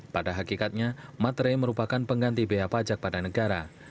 pada hakikatnya materai merupakan pengganti biaya pajak pada negara